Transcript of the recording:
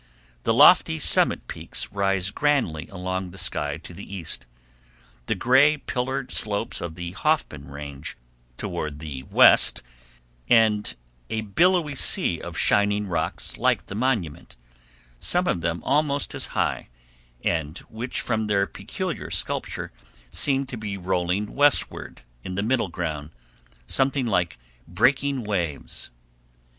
The lofty summit peaks rise grandly along the sky to the east, the gray pillared slopes of the Hoffman Range toward the west, and a billowy sea of shining rocks like the Monument, some of them almost as high and which from their peculiar sculpture seem to be rolling westward in the middle ground, something like breaking waves.